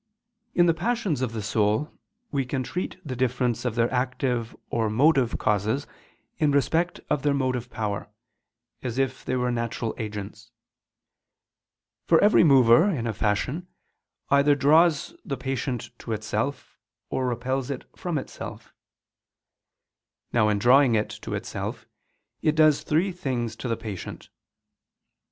In the passions of the soul we can treat the difference of their active or motive causes in respect of their motive power, as if they were natural agents. For every mover, in a fashion, either draws the patient to itself, or repels it from itself. Now in drawing it to itself, it does three things in the patient.